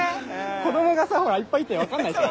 子供がさほらいっぱいいて分かんないから。